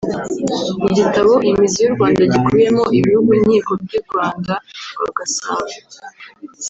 Igitabo “Imizi y’u Rwanda” gikubiyemo ibihugu nkiko by’u Rwanda rwa Gasabo